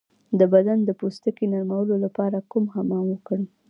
د بدن د پوستکي د نرمولو لپاره کوم حمام وکړم؟